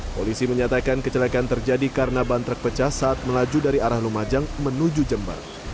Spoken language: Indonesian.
polisi menyatakan kecelakaan terjadi karena ban truk pecah saat melaju dari arah lumajang menuju jember